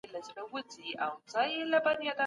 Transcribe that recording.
کلاسیک اقتصاد پوهانو خپل نظرونه درلودل.